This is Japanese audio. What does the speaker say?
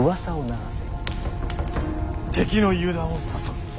敵の油断を誘う。